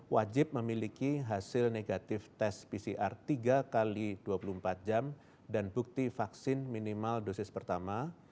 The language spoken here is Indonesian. wajib memiliki hasil negatif tes pcr tiga x dua puluh empat jam dan bukti vaksin minimal dosis pertama